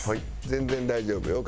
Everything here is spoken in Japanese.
全然大丈夫よ。